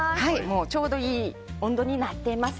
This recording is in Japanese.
ちょうどいい温度になっています。